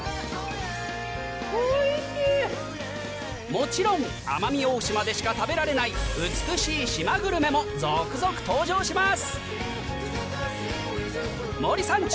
もちろん奄美大島でしか食べられないも続々登場します！